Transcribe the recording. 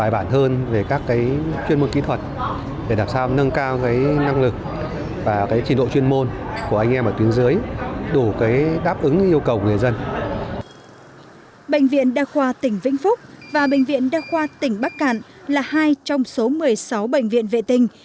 bệnh viện đa khoa tỉnh vĩnh phúc và bệnh viện đa khoa tỉnh bắc cạn là hai trong số một mươi sáu bệnh viện vệ tinh